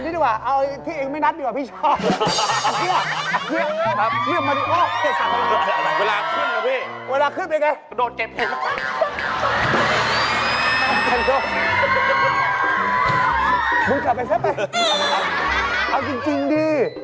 มึงกลับไปเสร็จไปเอาจริงดิ